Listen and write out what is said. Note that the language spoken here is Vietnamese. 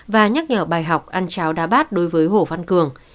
và nhắc nhở bài học ăn cháo đá bát đối với hồ văn cường